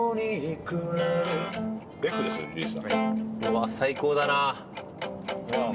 うわっ最高だな。